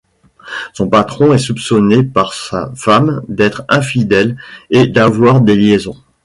Son patron est soupçonné par sa femme d'être infidèle et d'avoir des liaisons.